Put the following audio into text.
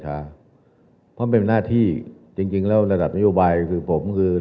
เพราะมันเป็นหน้าที่จริงแล้วในระดับนิยมโบราณเข้ามาข้อมูล